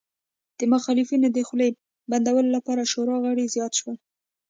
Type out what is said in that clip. د مخالفینو د خولې بندولو لپاره شورا غړي زیات شول